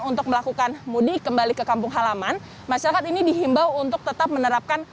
untuk melakukan mudik kembali ke kampung halaman masyarakat ini dihimbau untuk tetap menerapkan